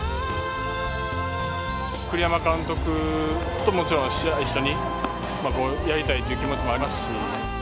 栗山監督ともちろん試合一緒にやりたいっていう気持ちもありますし。